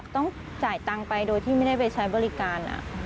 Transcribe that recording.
ต้องจ่ายตังค์ไปโดยที่ไม่ได้ไปใช้บริการ